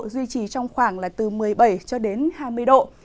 duy trì trong khoảng từ một mươi bảy hai mươi độ